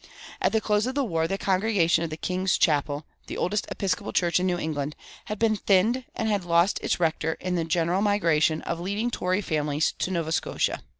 At the close of the war the congregation of the "King's Chapel," the oldest Episcopal church in New England, had been thinned and had lost its rector in the general migration of leading Tory families to Nova Scotia.